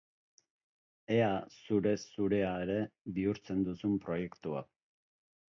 Ea zure-zurea ere bihurtzen duzun proiektu hau!